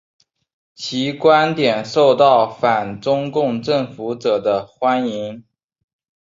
其观点受到反中共政府者的欢迎。